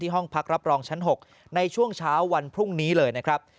ห้องพักรับรองชั้น๖ในช่วงเช้าวันพรุ่งนี้เลยนะครับ